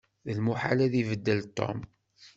D lmuḥal ad ibeddel Tom.